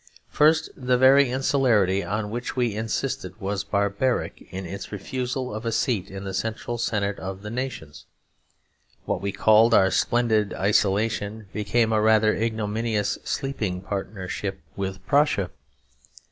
First, the very insularity on which we insisted was barbaric, in its refusal of a seat in the central senate of the nations. What we called our splendid isolation became a rather ignominious sleeping partnership with Prussia.